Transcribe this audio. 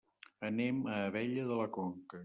Anem a Abella de la Conca.